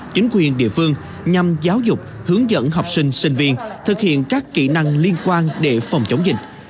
chính quyền địa phương nhằm giáo dục hướng dẫn học sinh sinh viên thực hiện các kỹ năng liên quan để phòng chống dịch